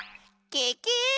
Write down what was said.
ケケ！